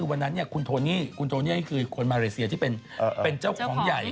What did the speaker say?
วันนั้นคุณโทนี่คุณโทนี่คือคนมาเลเซียที่เป็นเจ้าของใหญ่